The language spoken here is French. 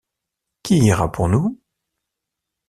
Qui ira pour nous?